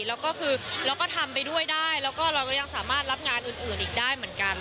แล้วก็คือเราก็ทำไปด้วยได้แล้วก็เราก็ยังสามารถรับงานอื่นอีกได้เหมือนกัน